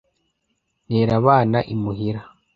ntera abana imuhira